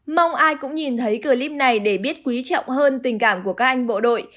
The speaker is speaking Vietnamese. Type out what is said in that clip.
mong ai cũng nhìn thấy clip này để biết quý trọng hơn tình cảm của các anh bộ đội